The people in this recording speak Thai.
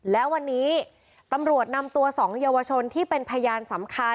และวันนี้ตำรวจนำตัว๒เยาวชนที่เป็นพยานสำคัญ